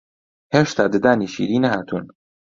هێشتا ددانی شیری نەهاتوون